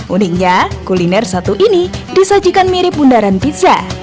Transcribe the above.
uniknya kuliner satu ini disajikan mirip bundaran pizza